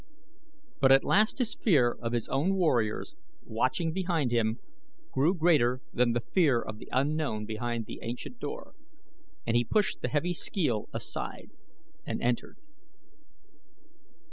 But at last his fear of his own warriors, watching behind him, grew greater than the fear of the unknown behind the ancient door and he pushed the heavy skeel aside and entered.